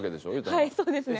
はいそうですね。